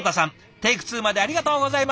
テイク２までありがとうございます。